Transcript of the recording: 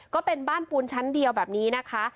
ก็เป็นบ้านปูนชั้นเดียวแบบนี้นะคะ